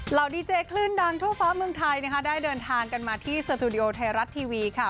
ดีเจคลื่นดังทั่วฟ้าเมืองไทยนะคะได้เดินทางกันมาที่สตูดิโอไทยรัฐทีวีค่ะ